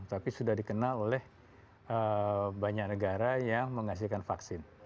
tapi sudah dikenal oleh banyak negara yang menghasilkan vaksin